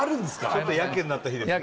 ちょっとヤケになった日ですね